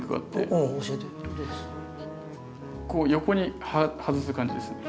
こう横に外す感じですね。